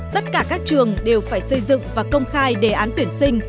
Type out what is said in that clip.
tất cả các trường đều phải xây dựng và công khai đề án tuyển sinh